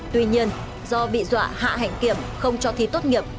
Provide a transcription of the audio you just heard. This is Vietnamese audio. tuy nhiên do bị dọa hạ hành kiểm không cho thi tốt nghiệp